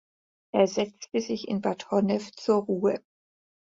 Er setzte sich in Bad Honnef zur Ruhe.